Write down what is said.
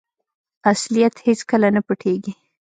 اصلیت هیڅکله نه پټیږي.